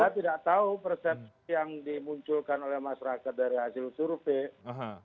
saya tidak tahu persepsi yang dimunculkan oleh masyarakat dari hasil survei